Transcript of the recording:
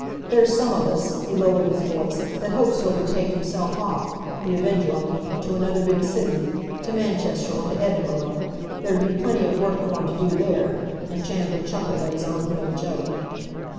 "There's some of us"—he lowered his voice—"that hopes he'll betake himself off—The Avenger, I mean—to another big city, to Manchester or to Edinburgh. There'd be plenty of work for him to do there," and Chandler chuckled at his own grim joke.